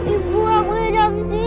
ibu aku hidup disini